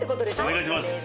お願いします。